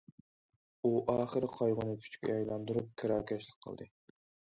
ئۇ ئاخىرى قايغۇنى كۈچكە ئايلاندۇرۇپ، كىراكەشلىك قىلدى.